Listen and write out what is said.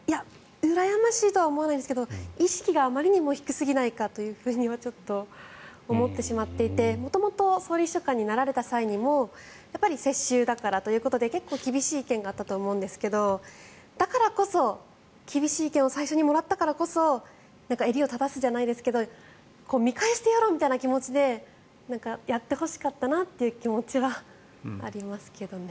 うらやましいとは思わないですけど意識があまりにも低すぎないかとは思ってしまっていて元々総理秘書官になられた際にもやっぱり世襲だからということで結構、厳しい意見があったと思うんですが、だからこそ厳しい意見を最初にもらったからこそ襟を正すじゃないですが見返してやろうみたいな気持ちでやってほしかったなという気持ちはありますけどね。